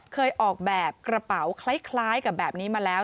เคยออกแบบกระเป๋าคล้ายกับแบบนี้มาแล้ว